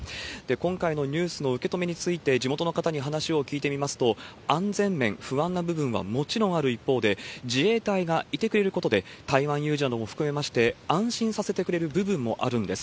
今回のニュースの受け止めについて、地元の方に話を聞いてみますと、安全面、不安な部分はもちろんある一方で、自衛隊がいてくれることで、台湾有事なども含めまして、安心させてくれる部分もあるんです。